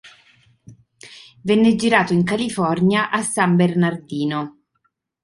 Venne girato in California, a San Bernardino.